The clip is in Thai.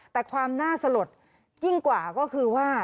แต่ความน่าสลดยิ่งกว่าก็คือว่า